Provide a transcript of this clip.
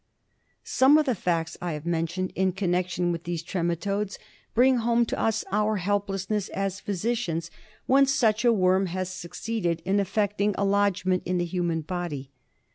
Some of the facts I have mentioned in connection with these trematodes bring home to us our helplessness as physicians when such a worm has succeeded in effect ing a lodgment in the human body.